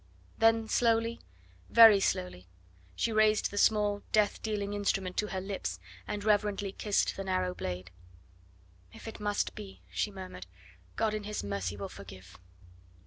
Then slowly very slowly she raised the small, death dealing instrument to her lips, and reverently kissed the narrow blade. "If it must be!" she murmured, "God in His mercy will forgive!"